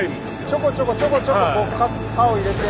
ちょこちょこちょこちょこ刃を入れて。